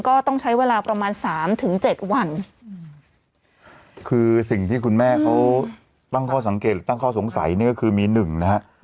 ก็ต้องใช้เวลาประมาณสามถึงเจ็ดวันอืมคือสิ่งที่คุณแม่เขาตั้งข้อสังเกตหรือตั้งข้อสงสัยเนี่ยก็คือมีหนึ่งนะฮะ